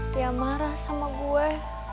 dia marah sama gue